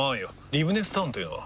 リブネスタウンというのは？